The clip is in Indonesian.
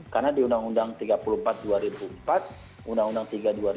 karena di undang undang tiga puluh empat dua ribu empat undang undang tiga dua ribu dua